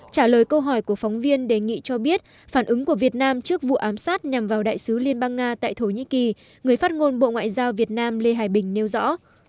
trả lời câu hỏi của phóng viên đề nghị cho biết phản ứng của việt nam trước vụ ám sát nhằm vào đại sứ liên bang nga tại thổ nhĩ kỳ người phát ngôn bộ ngoại giao việt nam lê hải bình nêu rõ